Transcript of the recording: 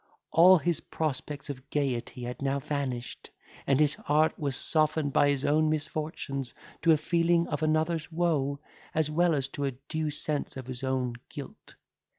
All his prospects of gaiety had now vanished, and his heart was softened by his own misfortunes, to a feeling of another's woe, as well as to a due sense of his own guilt.